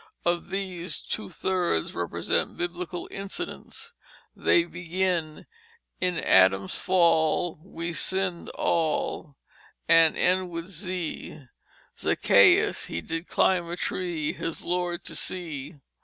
Of these, two thirds represent Biblical incidents. They begin: "In Adam's fall We sinned all," and end with Z: "Zaccheus he Did climb a tree His Lord to see."